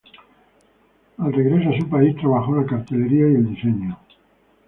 Al regreso a su país, trabajó la cartelería y el diseño.